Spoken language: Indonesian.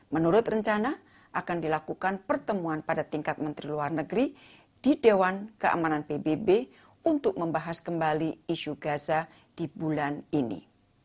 menurut rencana akan dilakukan pertemuan pada tingkat menteri luar negeri di dewan keamanan pbb untuk membahas kembali isu gaza di bulan ini